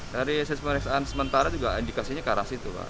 dari hasil pemeriksaan sementara juga indikasinya karasi itu pak